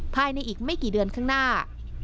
ภายในอีกไม่กี่เดือนข้างหน้า